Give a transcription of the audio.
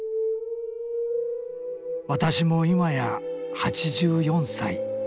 私も今や８４歳。